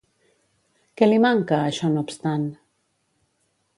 Què li manca, això no obstant?